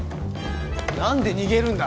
なんで逃げるんだ？